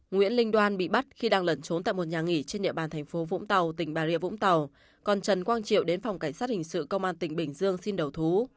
nguyễn linh đoan bị bắt khi đang lẩn trốn tại một nhà nghỉ trên địa bàn thành phố vũng tàu tỉnh bà rịa vũng tàu còn trần quang triệu đến phòng cảnh sát hình sự công an tỉnh bình dương xin đầu thú